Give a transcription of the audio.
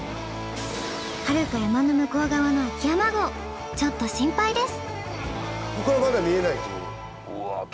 はるか山の向こう側の秋山郷ちょっと心配です。